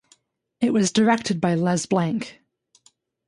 It was directed by Les Blank.